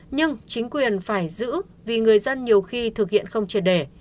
nhưng chính quyền phải giữ vì người dân nhiều khi thực hiện không triệt để